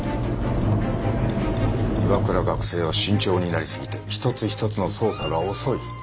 岩倉学生は慎重になり過ぎて一つ一つの操作が遅い。